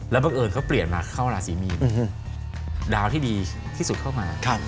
บังเอิญเขาเปลี่ยนมาเข้าราศีมีนดาวที่ดีที่สุดเข้ามา